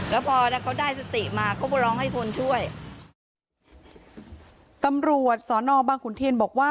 แล้วพอแล้วเขาได้สติมาเขาก็ร้องให้คนช่วยตำรวจสอนอบางขุนเทียนบอกว่า